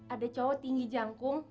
ada cowok tinggi jangkung